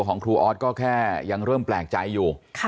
ของครูออสก็แค่ยังเริ่มแปลกใจอยู่